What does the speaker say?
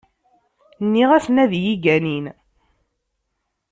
Nniɣ-asen ad yi-ganin.